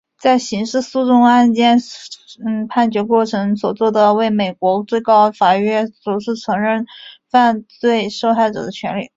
在刑事诉讼案件判决过程所做的为美国最高法院首次承认犯罪受害者的权利。